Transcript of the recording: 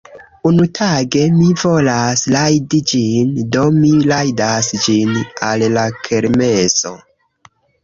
Unutage mi volas rajdi ĝin, Do mi rajdas ĝin al la kermeso